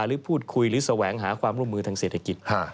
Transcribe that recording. หรือพูดคุยหรือแสวงหาความร่วมมือทางเศรษฐกิจ